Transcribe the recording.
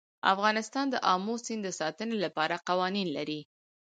افغانستان د آمو سیند د ساتنې لپاره قوانین لري.